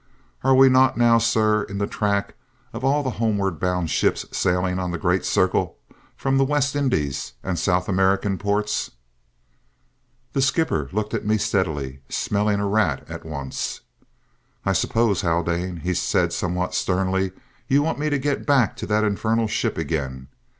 "Are we not now, sir, in the track of all the homeward bound ships sailing on the great circle from the West Indies and South American ports?" The skipper looked at me steadily, "smelling a rat" at once. "I suppose, Haldane," he said somewhat sternly, "you want to get me back to that infernal ship again?